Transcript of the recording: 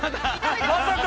まさか。